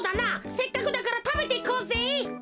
せっかくだからたべていこうぜ。